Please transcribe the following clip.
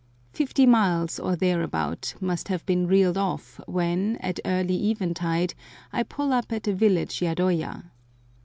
Fifty miles, or thereabout, must have been reeled off when, at early eventide, I pull up at a village ya doya.